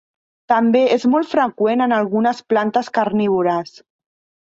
També és molt freqüent en algunes plantes carnívores.